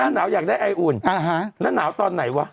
หนาวอยากได้ไออุ่นแล้วหนาวตอนไหนวะ